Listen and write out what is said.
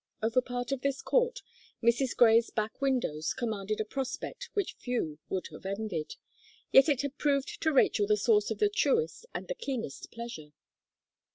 Over part of this court, Mrs. Gray's back windows commanded a prospect which few would have envied yet it had proved to Rachel the source of the truest and the keenest pleasure.